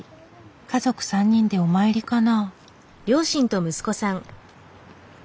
家族３人でお参りかな？